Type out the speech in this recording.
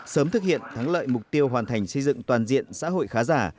sớm thực hiện thắng lợi mục tiêu hoàn thành xây dựng toàn diện xã hội khá giả